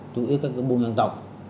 chủ yếu các bùa dân tộc